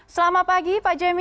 selamat pagi pak jemmy